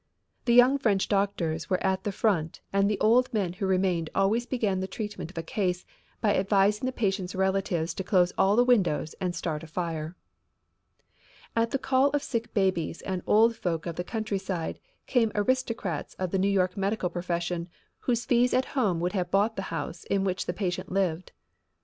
The young French doctors were at the front and the old men who remained always began the treatment of a case by advising the patient's relatives to close all the windows and start a fire. At the call of sick babies and old folk of the countryside came aristocrats of the New York medical profession whose fees at home would have bought the house in which the patient lived.